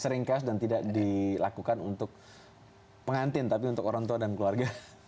sering cash dan tidak dilakukan untuk pengantin tapi untuk orang tua dan keluarga